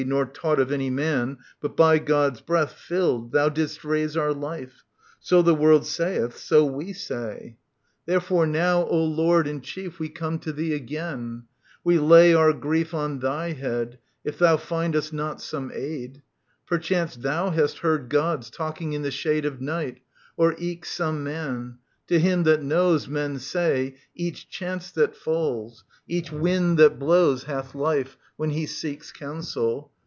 Nor taught of any man, but by God's breath Filled, thou didst raise our life. So the world saith ; So we say. 4 "v^ ^TT.^cMJg OEDIPUS, KING OF THEBES Therefore now, O Lord and Chief, We come to thee again ; we lay our grief On thy head, if thou find us not some aid. Perchance thou hast heard Gods talking in the shade Of night, or eke some man : to him that knows. Men say, each chance that falls, each wind that blows Hath life, when he seeks counsel.